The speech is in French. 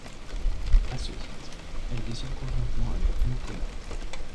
À ce titre, elle dessine conjointement avec Mokona.